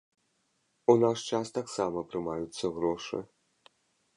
У наш час таксама прымаюцца грошы.